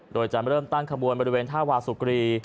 โดยจะเริ่มตั้งขบวนบริเวณท่าวาสุกรี